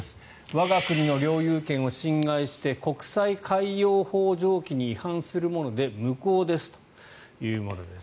我が国の領有権を侵害して国際海洋法条約に違反するもので無効ですというものです。